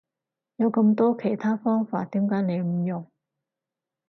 有咁多其他方法點解你唔用？